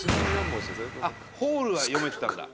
あっ「ホール」は読めてたんだ。